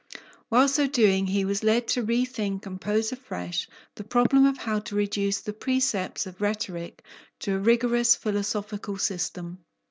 While so doing, he was led to rethink and pose afresh the problem of how to reduce the precepts of rhetoric to a rigorous philosophical system.